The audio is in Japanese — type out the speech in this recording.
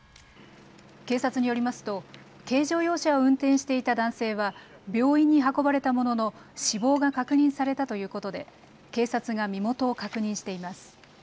警察によりますと軽乗用車を運転していた男性は病院に運ばれたものの死亡が確認されたということで警察が身元を確認しています。